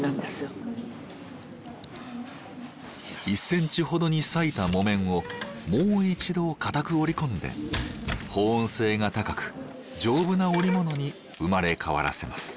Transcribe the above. １センチほどに裂いた木綿をもう一度固く織り込んで保温性が高く丈夫な織物に生まれ変わらせます。